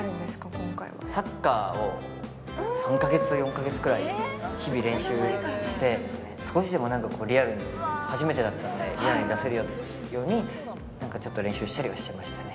今回はサッカーを３か月４か月ぐらい日々練習して少しでも何かこうリアルに初めてだったのでリアルに出せるようにちょっと練習したりはしましたね